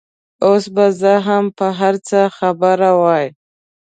اوس به زه هم په هر څه خبره وای.